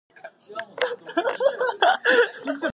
He is interred at Evergreen Cemetery in Oconto.